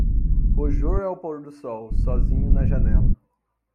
Rojor ao pôr do sol, sozinho na janela.